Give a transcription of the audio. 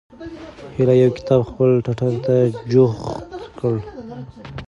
هیلې یو کتاب خپل ټټر ته جوخت کړ.